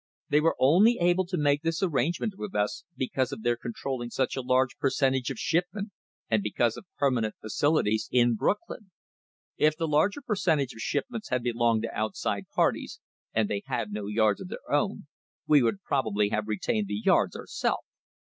They were only able to make this arrangement with us because of their controlling such a large percentage of shipment, and because of permanent facilities in Brooklyn; if the larger percentage of shipments had belonged to outside parties, and they had had no yards of their own, we would probably have retained the yards ourselves."